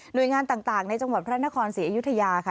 โดยงานต่างในจังหวัดพระนครศรีอยุธยาค่ะ